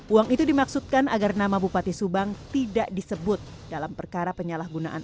uang itu dimaksudkan agar nama bupati subang tidak disebut dalam perkara penyalahgunaan